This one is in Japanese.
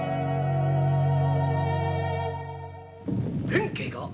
弁慶が？